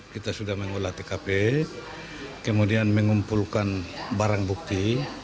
kita sudah mengolah tkp kemudian mengumpulkan barang bukti